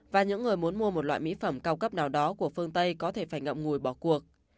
và những người muốn mua một loại mỹ phẩm cao cấp nào đó của phương tây có thể phải ngậm ngùi bỏ cuộc